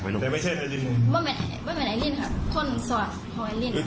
ไม่เป็นไอลินค่ะคนสอนของไอลินค่ะ